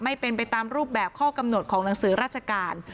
ไม่เป็นไปตามรูปแบบข้อกำหนดของหนังสือราชการ